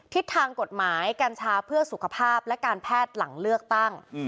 ทิศทางกฎหมายกัญชาเพื่อสุขภาพและการแพทย์หลังเลือกตั้ง